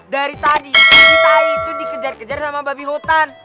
dari tadi kita itu dikejar kejar sama babi hutan